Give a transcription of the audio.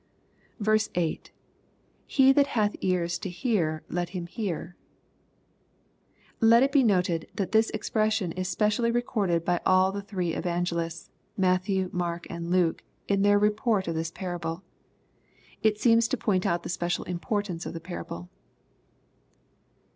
6. — [JBe Ihat hath ears to hear let him hear^ Let it be noted, that this expression is specially recorded by all the thiee evangelists, Matthew, Mark, and Luke, in their report of this parable. It seems to point out the special importance of the parable.